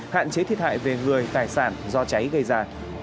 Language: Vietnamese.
hạn chế thiệt hại về người tài sản do cháy gây ra